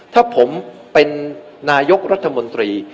ถ้าผมเป็นนายกรัฐมนตรี